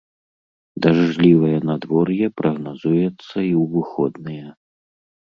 Дажджлівае надвор'е прагназуецца і ў выходныя.